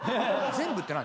全部って何？